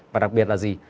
và đặc biệt là gì